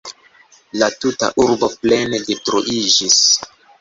La tuta urbo plene detruiĝis.